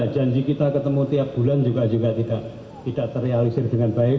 janji kita ketemu tiap bulan juga tidak terrealisir dengan baik